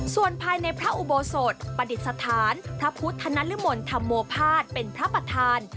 ส่วนภายในพระอุโบสถประดิษฐานพระพุทธนริมลธรรมโมภาษเป็นพระประธาน